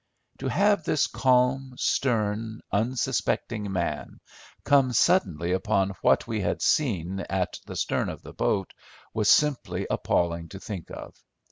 To have this calm, stern, unsuspecting man come suddenly upon what we had seen at the stern of the boat was simply appalling to think of.